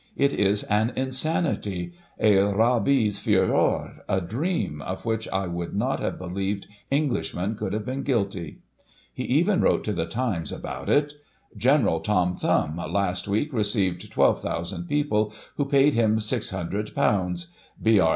It is an insanity — a rabies furor — a dream — of which I would not have believed Englishmen could have been guilty." He even wrote to the Times about it :" GENERAL ToM Thumb, last week, received 12,000 people, who paid him ;£^6oo; B. R.